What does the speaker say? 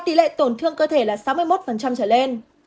tỷ lệ tổn thương cơ thể là sáu mươi một trở lên